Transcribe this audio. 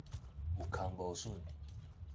有空無榫